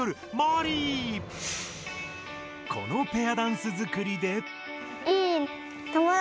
このペアダンスづくりで。